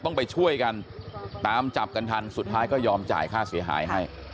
ต้องไปช่วยกันตามจับกันทันสุดท้ายก็ยอมจ่ายค่าเสียหายให้